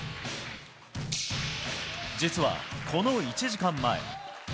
実はこの１時間前。